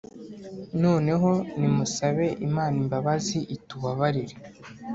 “Noneho nimusabe Imana imbabazi itubabarire